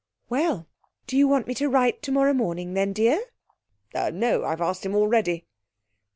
'Well, do you want me to write tomorrow morning then, dear?' 'Er no I have asked him already.'